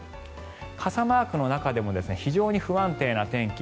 傘マークの中でも非常に不安定な天気。